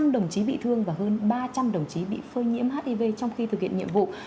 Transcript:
ba trăm linh đồng chí bị thương và hơn ba trăm linh đồng chí bị phơi nhiễm hiv trong khi thực hiện nhiệm vụ